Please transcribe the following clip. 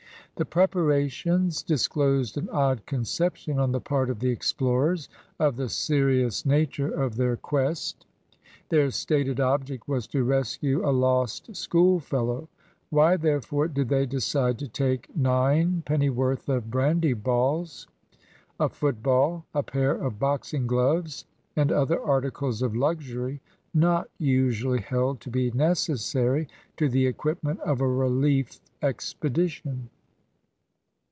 The preparations disclosed an odd conception on the part of the explorers of the serious nature of their quest. Their stated object was to rescue a lost schoolfellow. Why, therefore, did they decide to take nine pennyworth of brandy balls, a football, a pair of boxing gloves, and other articles of luxury not usually held to be necessary to the equipment of a relief expedition?